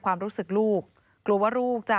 ความรู้สึกลูกกลัวว่าลูกจะ